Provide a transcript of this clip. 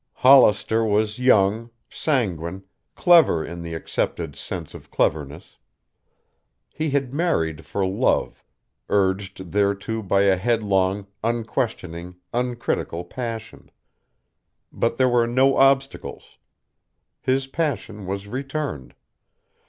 Hollister was young, sanguine, clever in the accepted sense of cleverness. He had married for love, urged thereto by a headlong, unquestioning, uncritical passion. But there were no obstacles. His passion was returned.